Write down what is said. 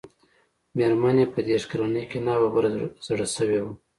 مېرمن يې په دېرش کلنۍ کې ناببره زړه شوې وه.